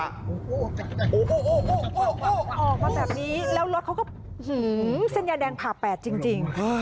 โอ้โหออกมาแบบนี้แล้วรถเขาก็เส้นยาแดงผ่าแปดจริง